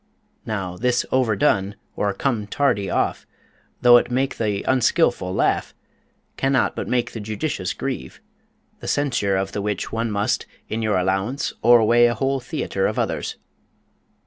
Now, this overdone, or come tardy off, though it make the unskillful laugh, cannot but make the judicious grieve; the censure of the which one must, in your allowance, o'erweigh a whole theater of others.